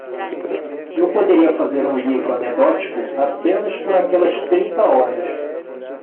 Eu poderia fazer um livro anedótico apenas por aquelas trinta horas.